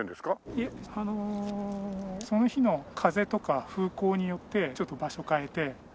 いえあのその日の風とか風向によってちょっと場所変えて。